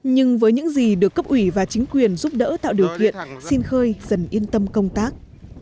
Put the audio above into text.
nhưng với những gì được cấp ủy và chính quyền giúp đỡ tạo điều kiện xin khơi dần yên tâm công tác